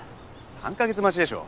３カ月待ちでしょ。